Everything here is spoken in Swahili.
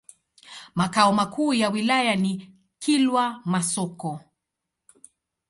Makao makuu ya wilaya ni Kilwa Masoko.